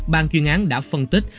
bàn chuyên án đã phân tích